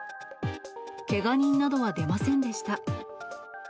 けが人などは出ませんでした。